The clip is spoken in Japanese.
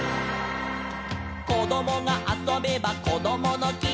「こどもがあそべばこどものき」